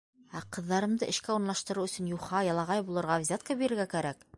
Ә ҡыҙҙарымды эшкә урынлаштырыу өсөн юха, ялағай булырға, взятка бирергә кәрәк.